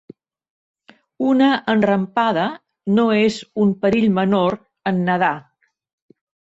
Una enrampada no és un perill menor en nedar.